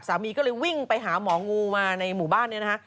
สามีก็เลยวิ่งไปหาหมองูมาในหมู่บ้านเนี่ยนะคะ